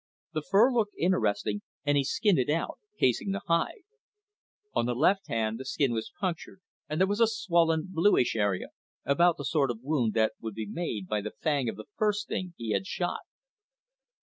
The fur looked interesting, and he skinned it out, casing the hide. On the left ham, the skin was punctured and there was a swollen, bluish area about the sort of wound that would be made by the fang of the first thing he had shot.